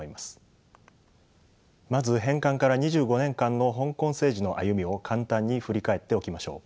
まず返還から２５年間の香港政治の歩みを簡単に振り返っておきましょう。